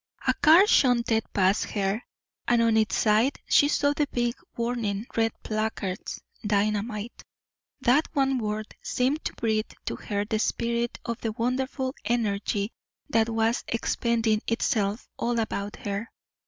A car shunted past her, and on its side she saw the big, warning red placards Dynamite. That one word seemed to breathe to her the spirit of the wonderful energy that was expending itself all about her.